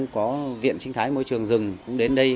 có viện sinh thái môi trường rừng cũng đến đây